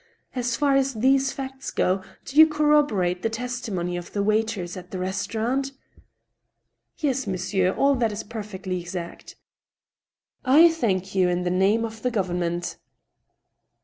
As far as these facts go, do you cor roborate the testimony of the waiters at the restaurant .^"" Yes, monsieur, all that is perfectly exact." " I thank you, in the name of the government."